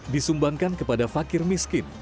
disumbangkan kepada fakir miskin